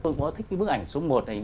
tôi có thích cái bức ảnh số một này